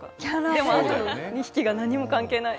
でもあと２匹が何も関係ない。